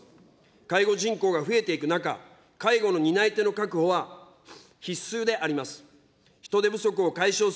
介護人口が増えていく中、介護の担い手の確保は、必須であります。